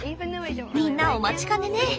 みんなお待ちかねね。